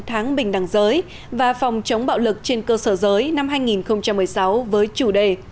tháng bình đẳng giới và phòng chống bạo lực trên cơ sở giới năm hai nghìn một mươi sáu với chủ đề